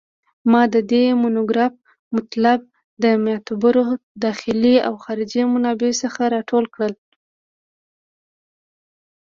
ما د دې مونوګراف مطالب د معتبرو داخلي او خارجي منابعو څخه راټول کړل